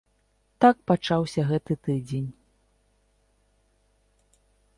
Так пачаўся гэты тыдзень.